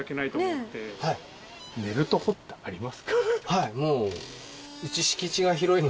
はいもう。